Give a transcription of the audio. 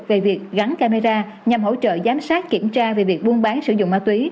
về việc gắn camera nhằm hỗ trợ giám sát kiểm tra về việc buôn bán sử dụng ma túy